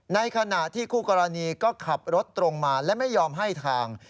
ในขณะที่คู่กรณีก็ขับรถตรงมาและไม่ยอมให้ทาง